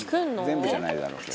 「全部じゃないだろうけど」